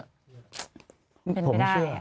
ไม่เป็นไปได้